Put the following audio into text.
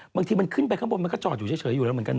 บางทีมันขึ้นไปข้างบนมันก็จอดอยู่เฉยอยู่แล้วเหมือนกันนะ